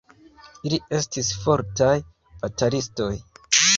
Ili estis fortaj batalistoj.